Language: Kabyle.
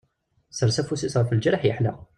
Yessers afus-is ɣef lǧerḥ yeḥla.